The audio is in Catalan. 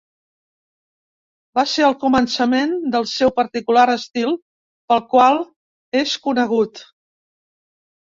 Va ser el començament del seu particular estil pel qual és conegut.